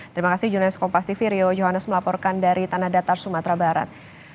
terima kasih jones kompas tv rio johannes melaporkan dari tanah datar sumatera barat